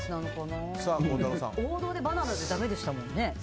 王道でバナナじゃだめでしたもんね。